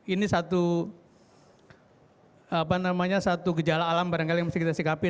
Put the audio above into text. ini satu gejala alam barangkali yang mesti kita sikapi